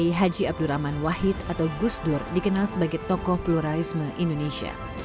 m h abdul rahman wahid atau gus dur dikenal sebagai tokoh pluralisme indonesia